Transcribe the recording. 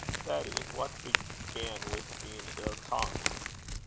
'Betty, wha began wi' bein' ill tongued?